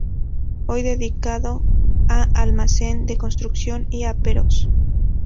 hoy dedicado a almacén de construcción y aperos